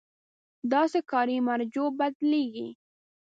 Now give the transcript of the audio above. داسې کاري مراجعو بدلېږي.